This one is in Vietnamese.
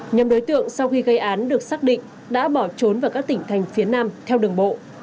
nhóm đối tượng sau khi gây án được xác định đã bỏ trốn vào các tỉnh thành phía nam theo đường bộ